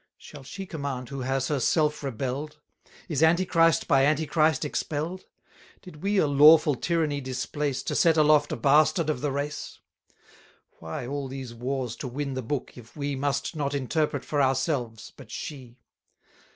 Shall she command who has herself rebell'd? Is Antichrist by Antichrist expell'd? 280 Did we a lawful tyranny displace, To set aloft a bastard of the race? Why all these wars to win the Book, if we Must not interpret for ourselves, but she?